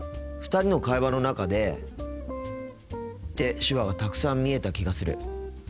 ２人の会話の中でって手話がたくさん見えた気がする。